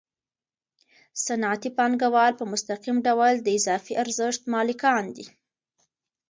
صنعتي پانګوال په مستقیم ډول د اضافي ارزښت مالکان دي